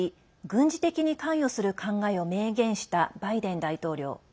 軍事的に関与する考えを明言したバイデン大統領。